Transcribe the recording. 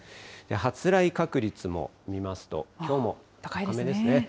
発雷確率も見ますと、きょうも高めですね。